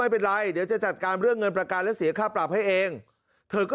ไม่เป็นไรเดี๋ยวจะจัดการเรื่องเงินประกันและเสียค่าปรับให้เองเธอก็